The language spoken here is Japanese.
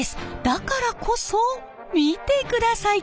だからこそ見てください